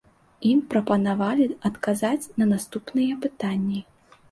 Ім прапанавалі адказаць на наступныя пытанні.